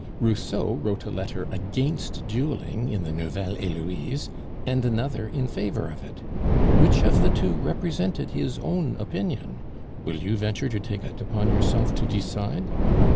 Rousseau wrote a letter against dueling in the Nouvelle Heloise, and another in favor of it. Which of the two represented his own opinion? will you venture to take it upon yourself to decide?